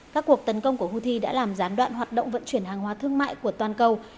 các cuộc tấn công của houthi đã làm gián đoạn hoạt động vận chuyển hàng hóa thương mại của toàn cầu